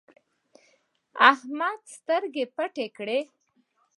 احمده سترګې پټې کړې.